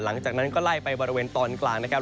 หลังจากนั้นก็ไล่ไปบริเวณตอนกลางนะครับ